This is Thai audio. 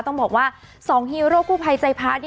ต้องบอกว่า๒ฮีโร่กู้ภัยใจพระ